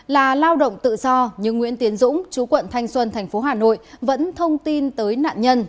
là lao động tự do nhưng nguyễn tiến dũng chú quận thanh xuân thành phố hà nội vẫn thông tin tới nạn nhân